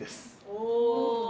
お。